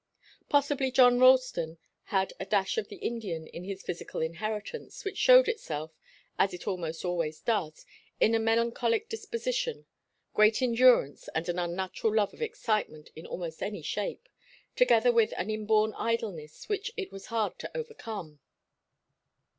Possibly John Ralston had a dash of the Indian in his physical inheritance, which showed itself, as it almost always does, in a melancholic disposition, great endurance and an unnatural love of excitement in almost any shape, together with an inborn idleness which it was hard to overcome.